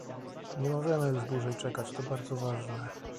Nie możemy już dłużej czekać - to bardzo ważne